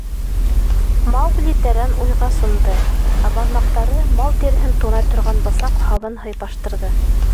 — Маугли тәрән уйға сумды, ә бармаҡтары мал тиреһен тунай торған бысаҡ һабын һыйпаштырҙы.